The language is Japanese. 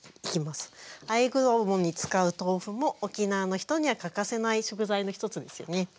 あえ衣に使う豆腐も沖縄の人には欠かせない食材の一つですよね。